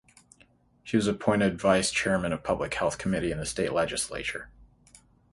She was appointed Vice Chairman of Public Health Committee in the state legislature.